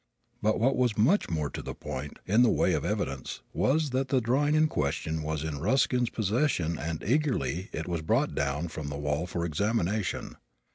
But what was much more to the point, in the way of evidence, was that the drawing in question was in Ruskin's possession and eagerly it was brought down from the wall for examination.